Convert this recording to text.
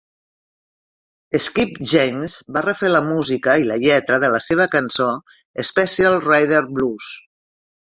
Skip James va refer la música i la lletra de la seva cançó "Special Rider Blues".